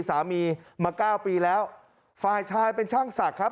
สามีมาเก้าปีแล้วฝ่ายชายเป็นช่างศักดิ์ครับ